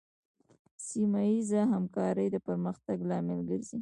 سیمه ایزه همکارۍ د پرمختګ لامل ګرځي.